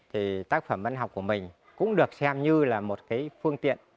thì tác phẩm văn học của mình cũng được xem như là một cái phương tiện